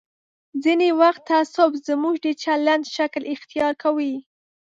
ځینې وخت تعصب زموږ د چلند شکل اختیار کوي.